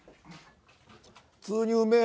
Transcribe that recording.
普通にうめえ！